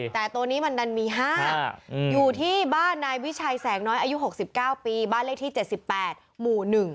แต่ตัวนี้มันดันมี๕อยู่ที่บ้านนายวิชัยแสงน้อยอายุ๖๙ปีบ้านเลขที่๗๘หมู่๑